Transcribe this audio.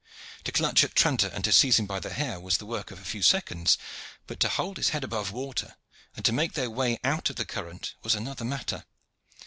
To clutch at Tranter and to seize him by the hair was the work of a few seconds, but to hold his head above water and to make their way out of the current was another matter.